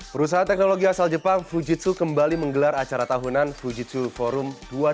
perusahaan teknologi asal jepang fujitsu kembali menggelar acara tahunan fujitsu forum dua ribu dua puluh